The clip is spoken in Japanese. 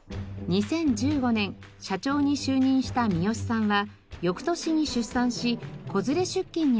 ２０１５年社長に就任した三好さんは翌年に出産し子連れ出勤にも挑戦。